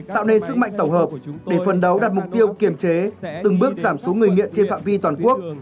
tạo nên sức mạnh tổ hợp để phần đấu đặt mục tiêu kiểm chế từng bước giảm số người nghiện trên phạm vi toàn quốc